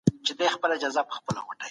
بهرنۍ پالیسي د هیواد د خپلواکۍ دفاع کوي.